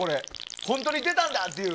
本当に出たんだっていう。